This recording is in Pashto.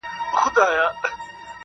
د خوشحال پر لار چي نه درومي پښتونه,